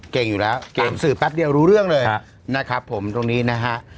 เก่งอยู่แล้วเก่งสื่อแป๊บเดียวรู้เรื่องเลยนะครับผมตรงนี้นะฮะ